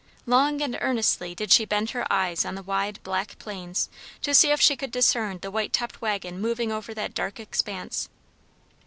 Long and earnestly did she bend her eyes on the wide, black plains to see if she could discern the white topped wagon moving over that dark expanse.